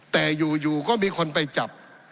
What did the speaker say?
แต่อยู่ก็มีคนไปจับ